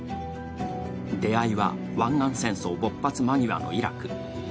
出会いは湾岸戦争勃発前のイラク。